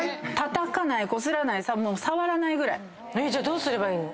たたかないこすらない触らない。じゃあどうすればいいの？